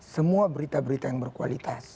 semua berita berita yang berkualitas